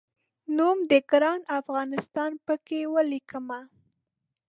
نوم د ګران افغانستان په ولیکمه